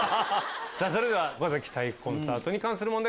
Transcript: それでは岡崎体育コンサートに関する問題